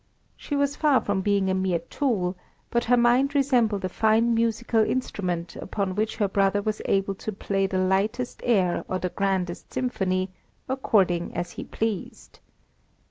She was far from being a mere tool, but her mind resembled a fine musical instrument upon which her brother was able to play the lightest air or the grandest symphony, according as he pleased.